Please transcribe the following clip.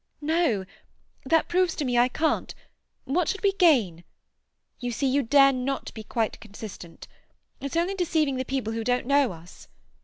"No—that proves to me I can't! What should we gain? You see, you dare not be quite consistent. It's only deceiving the people who don't know us."